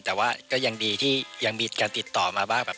แต่ว่าก็ยังดีที่ยังมีการติดต่อมาบ้างแบบ